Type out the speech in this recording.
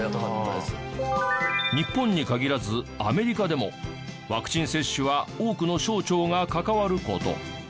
日本に限らずアメリカでもワクチン接種は多くの省庁が関わる事。